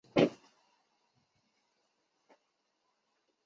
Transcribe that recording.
他是第十四任登丹人酋长所杀。